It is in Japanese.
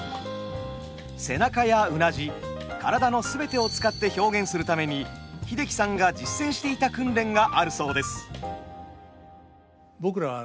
背中やうなじ体の全てを使って表現するために英樹さんが実践していた訓練があるそうです。